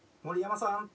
森山さん